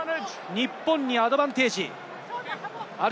日本にアドバンテージ。